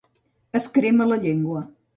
Es crema la llengua.